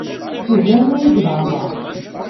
Ugaren-iyi deg leɛmeṛ.